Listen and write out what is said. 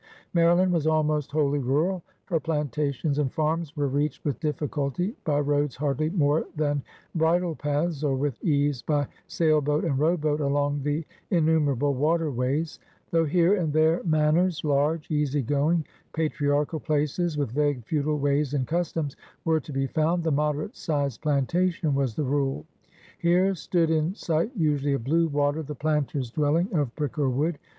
Mary land was almost wholly rural; her plantations and farms were reached with difficulty by roads hardly more than bridle paths, or with ease by sailboat and rowboat along the innumerable waterways. Though here and there manors — large, easygoing, patriarchal places, with vague, feudal ways and customs — were to be found, the moderate sized plantation was the rule. Here stood, in sight usually of blue water, the planter's dwelling of brick or wood.